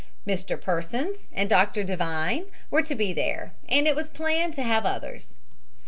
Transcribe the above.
Mr. Persons and Dr. Devine were to be there and it was planned to have others.